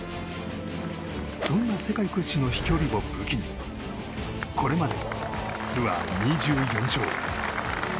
そんな世界屈指の飛距離を武器にこれまでツアー２４勝。